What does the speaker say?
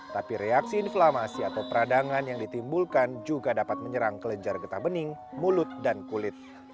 tapi reaksi inflamasi atau peradangan yang ditimbulkan juga dapat menyerang kelenjar getah bening mulut dan kulit